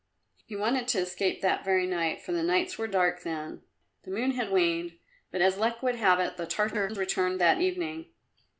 He wanted to escape that very night, for the nights were dark then; the moon had waned, but as luck would have it, the Tartars returned that evening.